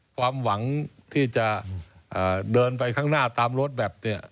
ความหวังที่จะเดินไปข้างหน้าตามรถแบบนี้